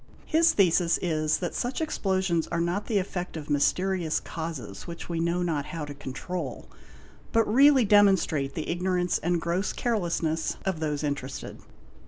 His thesis is that such explosions are not the effect of mysterious causes which we know not how to control; but really demonstrate the ignorance and gross carelessness of those interested.